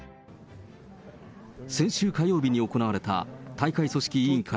先週火曜日に行われた大会組織委員会